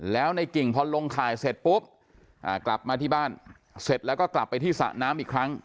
แล้วในกิ่งพอลงข่ายเสร็จปุ๊บกลับมาที่บ้านเสร็จแล้วก็กลับไปที่สระน้ำอีกครั้ง